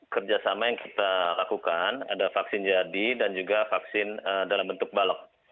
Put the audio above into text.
kerjasama yang kita lakukan ada vaksin jadi dan juga vaksin dalam bentuk balok